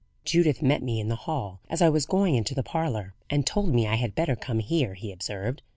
"Judith met me in the hall as I was going into the parlour, and told me I had better come here," he observed.